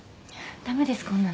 駄目ですこんなの。